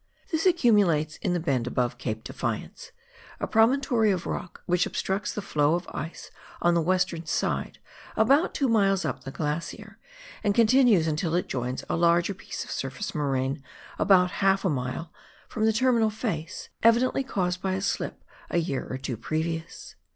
This accumulates in the bend above Cape Defiance, a promontory of rock which obstructs the flow of ice on the western side about 2 miles up the glacier, and continues until it joins a larger piece of surface moraine about half a mile from the terminal face, evidently caused by a slip a year or two previous.